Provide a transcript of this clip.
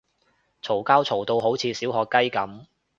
嘈交嘈到好似小學雞噉